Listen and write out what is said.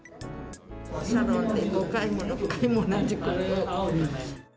サロンで５回も６回も同じことを。